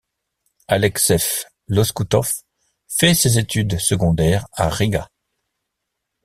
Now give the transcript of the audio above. Aleksejs Loskutovs fait ses études secondaires à Riga.